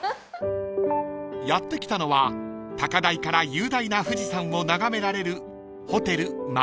［やって来たのは高台から雄大な富士山を眺められる］